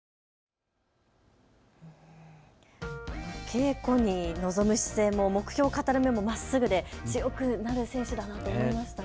稽古に臨む姿勢も目標を語る目もまっすぐで強くなる選手だなと思いました。